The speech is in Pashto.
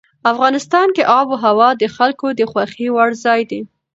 افغانستان کې آب وهوا د خلکو د خوښې وړ ځای دی.